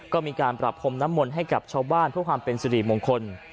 ก็มีการปรับพรมน้ำมนต์ให้กับชาวบ้านเพื่อความเป็นสิริมงคล